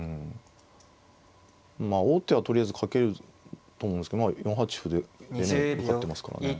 まあ王手はとりあえずかけると思うんですけど４八歩でね受かってますからね。